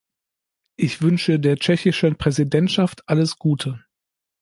Ich wünsche der tschechischen Präsidentschaft alles Gute.